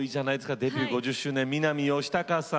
デビュー５０周年の南佳孝さん。